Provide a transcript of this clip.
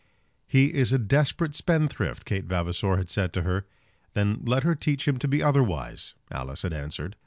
"He is a desperate spendthrift," Kate Vavasor had said to her. "Then let her teach him to be otherwise," Alice had answered.